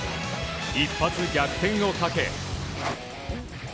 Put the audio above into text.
一発逆転をかけ。